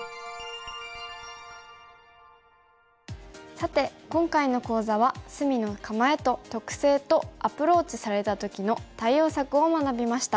さて今回の講座は隅の構えの特性とアプローチされた時の対応策を学びました。